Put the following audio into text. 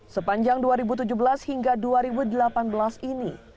sepanjang dua ribu tujuh belas hingga dua ribu delapan belas ini